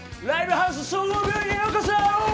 ライブハウス総合病院へようこそ。